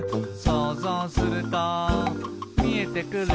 「そうぞうするとみえてくる」